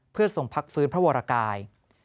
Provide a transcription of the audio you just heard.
เพื่อทรงพักฟื้นพระวรกาย